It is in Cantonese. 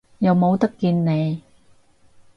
又冇得見你